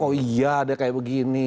oh iya dia kayak begini